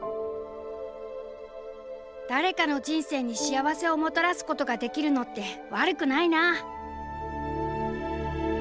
「誰かの人生に幸せをもたらすことができるのって悪くないな！」。